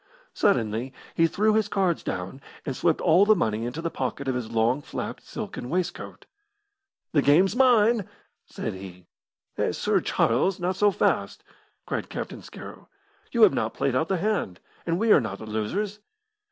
Suddenly he threw his cards down, and swept all the money into the pocket of his long flapped silken waistcoat. "The game's mine!" said he. "Heh, Sir Charles, not so fast!" cried Captain Scarrow; "you have not played out the hand, and we are not the losers."